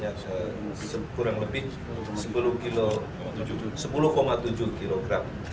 ya kurang lebih sepuluh tujuh kg